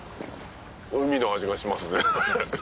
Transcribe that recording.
海の味がしますね。